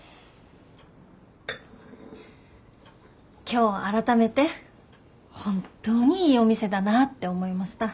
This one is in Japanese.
今日改めて本当にいいお店だなぁって思いました。